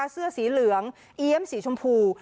เสื้อสีเหลืองเอี๊ยมสีชมพู